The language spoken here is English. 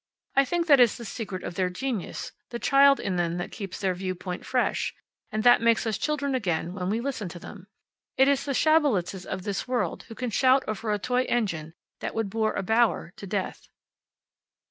I think that is the secret of their genius the child in them that keeps their viewpoint fresh, and that makes us children again when we listen to them. It is the Schabelitzes of this world who can shout over a toy engine that would bore a Bauer to death.